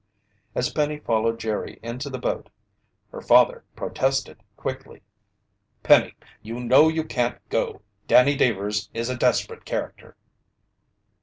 As Penny followed Jerry into the boat, her father protested quickly: "Penny, you know you can't go! Danny Deevers is a desperate character."